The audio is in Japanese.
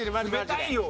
冷たいよ。